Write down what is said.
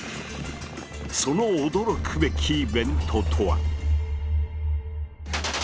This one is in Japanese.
その驚くべきイベントとは？